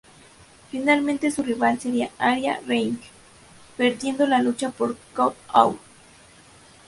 Finalmente, su rival sería Arya Reign, perdiendo la lucha por Count Out.